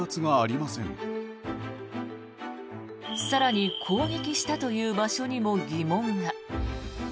更に攻撃したという場所にも疑問が。